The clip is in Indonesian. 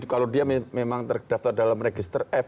kalau dia memang terdaftar dalam register f